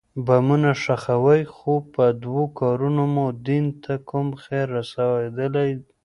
بمونه ښخوئ خو په دو کارونو مو دين ته کوم خير رسېدلى.